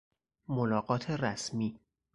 ملاقات رسمی